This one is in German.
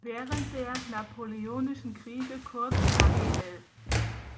Während der Napoleonischen Kriege kurz kgl.